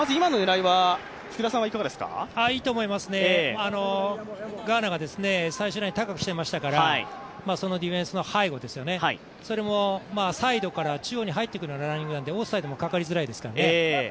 いいと思います、ガーナが最終ライン、高くしていましたからそのディフェンスの背後、それもサイドから中央に入ってくるラインですからオフサイドもかかりづらいですからね